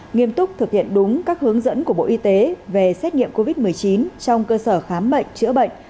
nghiêm túc thực hiện đúng các hướng dẫn của bộ y tế về xét nghiệm covid một mươi chín trong cơ sở khám bệnh chữa bệnh